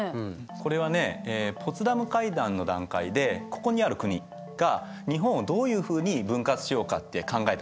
これはねポツダム会談の段階でここにある国が日本をどういうふうに分割しようかって考えたプランなんだ。